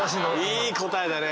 いい答えだね。